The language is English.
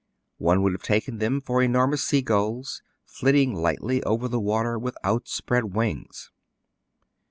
One would have taken them for enormous sea gulls flitting lightly over the water with outspread wings.